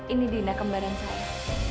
ini dina kembaran saya